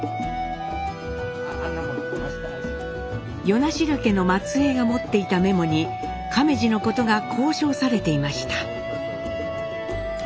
与那城家の末えいが持っていたメモに亀次のことがこう称されていました。